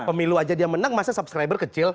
pemilu aja dia menang maksudnya subscriber kecil